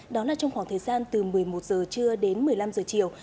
đó là trong khoảng thời gian từ một mươi một h trưa đến một mươi năm h chiều